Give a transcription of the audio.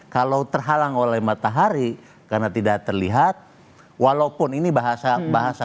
kalau terhalang oleh matahari karena tidak terlihat walaupun ini bahasa bahasa